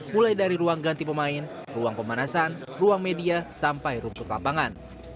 mulai dari ruang ganti pemain ruang pemanasan ruang media sampai rumput lapangan